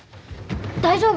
大丈夫？